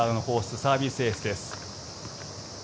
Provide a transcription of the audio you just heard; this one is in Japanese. サービスエースです。